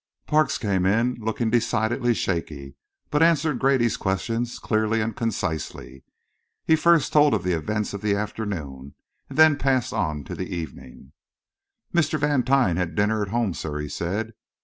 Parks came in looking decidedly shaky; but answered Grady's questions clearly and concisely. He told first of the events of the afternoon, and then passed on to the evening. "Mr. Vantine had dinner at home, sir," he said.